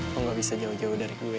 kok gak bisa jauh jauh dari gue